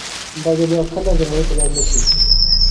دی به بيا کله جرمني ته لاړ نه شي.